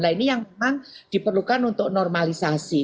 nah ini yang memang diperlukan untuk normalisasi